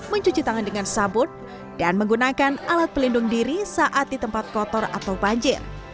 mencuci tangan dengan sabun dan menggunakan alat pelindung diri saat di tempat kotor atau banjir